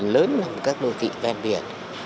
lớn là một các đô thị ven biển